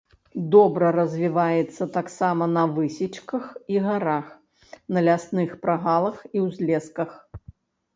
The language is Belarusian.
Добра развіваецца таксама на высечках і гарах, на лясных прагалах і ўзлесках.